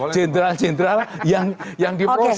jenderal jenderal yang diproses